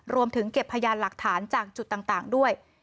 เก็บพยานหลักฐานจากจุดต่างด้วย